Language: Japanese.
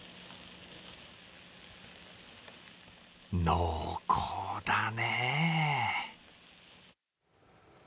濃厚だね。